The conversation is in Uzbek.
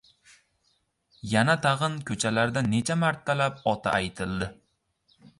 Yana tag‘in, ko‘chalarda necha martalab oti aytiladi.